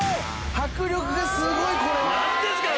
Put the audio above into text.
迫力がすごいこれは！